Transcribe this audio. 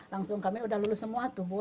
langsung kami udah lulus semua tuh bu